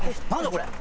これ。